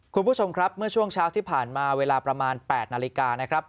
คุณผู้ชมครับเมื่อช่วงเช้าที่ผ่านมาเวลาประมาณ๘นาฬิกานะครับ